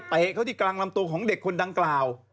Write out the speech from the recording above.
เข้าที่กลางลำตัวของเด็กคนดังกล่าว